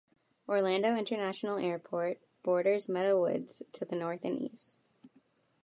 Orlando International Airport borders Meadow Woods to the north and east.